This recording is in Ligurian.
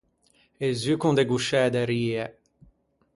E zu con de gosciæ de rie.